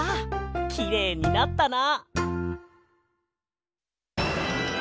きれいになったな。